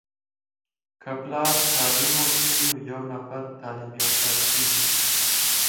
که پلار تعليم وکړی نو یو نفر تعليم يافته کیږي.